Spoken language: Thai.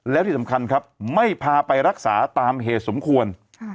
แล้วที่สำคัญครับไม่พาไปรักษาตามเหตุสมควร